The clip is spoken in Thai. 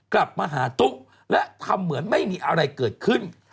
กลับมาหาตุ๊กและทำเหมือนไม่มีอะไรเกิดขึ้น